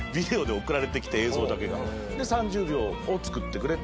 で３０秒を作ってくれって。